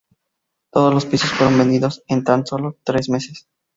Todos los pisos fueron vendidos en tan sólo tres meses.